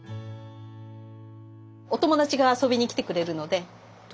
お友達が遊びに来てくれるので。